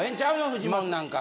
フジモンなんか。